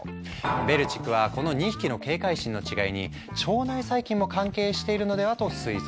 ベルチックはこの２匹の警戒心の違いに腸内細菌も関係しているのではと推測。